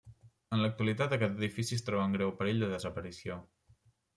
En l'actualitat aquest edifici es troba en greu perill de desaparició.